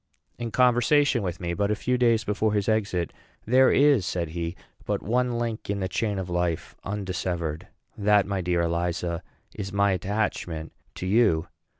In conversation with me but a few days before his exit, "There is," said he, "but one link in the chain of life undissevered; that, my dear Eliza, is my attachment to you.